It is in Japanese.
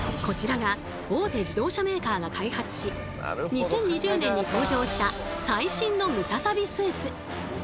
こちらが大手自動車メーカーが開発し２０２０年に登場した最新のムササビスーツ。